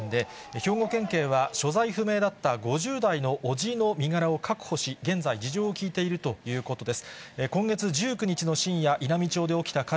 兵庫県警は、所在不明だった５０代の伯父の身柄を確保し、現在、事情を聴いているということです。